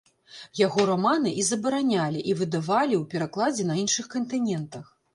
Яго раманы і забаранялі, і выдавалі ў перакладзе на іншых кантынентах.